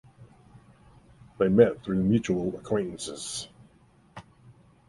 They met through mutual acquaintances.